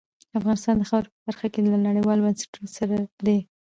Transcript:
افغانستان د خاورې په برخه کې له نړیوالو بنسټونو سره دی.